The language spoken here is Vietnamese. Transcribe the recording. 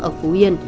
ở phú yên